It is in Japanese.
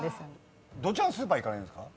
どちらのスーパー行かれるんですか？